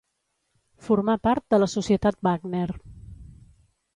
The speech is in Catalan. Formà part de la Societat Wagner.